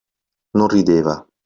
Non rideva.